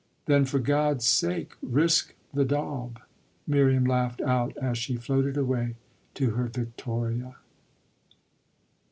Then for God's sake risk the daub!" Miriam laughed out as she floated away to her victoria.